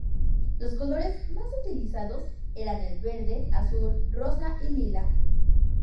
Los colores más utilizados eran el verde, azul, rosa y lila.